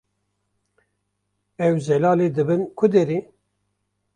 Ew, Zelalê dibin ku derê?